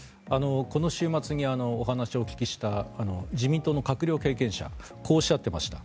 この週末にお話をお聞きした自民党の閣僚経験者こうおっしゃっていました。